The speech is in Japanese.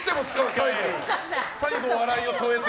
最後笑いを添えて。